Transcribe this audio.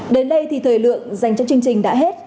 đến đây thì thời lượng dành cho chương trình đã hết